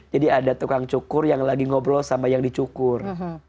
jadi ada tukang cukur yang lagi ngobrol sama yang dicukur